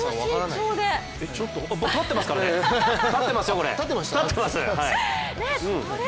僕、立ってますからね、立ってますよ、これ。